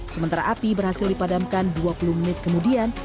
sementara api berhasil dipadamkan dua puluh menit kemudian